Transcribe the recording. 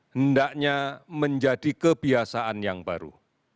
hendaknya menjadi kebiasaan yang baru